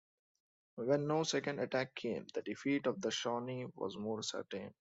When no second attack came, the defeat of the Shawnee was more certain.